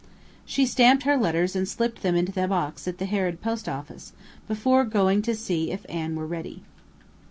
She stamped her letters and slipped them into the box at the Harrod post office before going to see if Anne were ready.